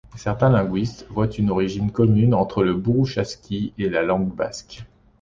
Certains linguistes voient une origine commune entre le bouroushaski et la langue basque.